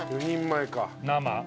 ４人前か。